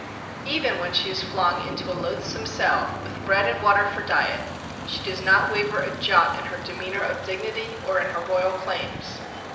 Even when she is flung into a loathsome cell, with bread and water for diet, she does not waver a jot in her demeanour of dignity or in her Royal claims.